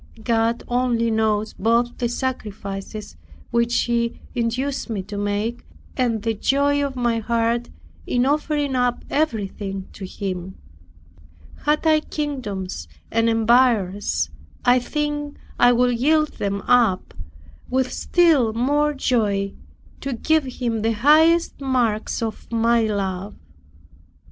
God only knows both the sacrifices which He induced me to make, and the joy of my heart in offering up everything to Him. Had I kingdoms and empires, I think I would yield them up with still more joy, to give Him the higher marks of my love.